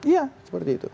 ya seperti itu